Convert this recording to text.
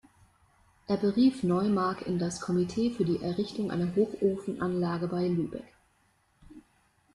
Er berief Neumark in das „Komitee für die Errichtung einer Hochofenanlage bei Lübeck“.